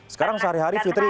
sekarang sehari hari fitri